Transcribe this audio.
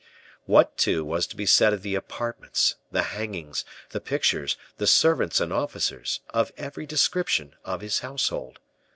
What, too, was to be said of the apartments, the hangings, the pictures, the servants and officers, of every description, of his household?